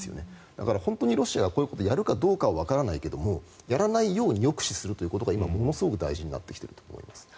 だから、本当にロシアがこういうことをやるかどうかはわからないけどやらないように抑止することが今、ものすごく大事になってきていると思います。